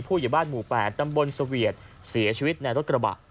ผู้หญิงบ้านหมู่แปดตำรวจภูมิเสียชีวิตในรถกระบะ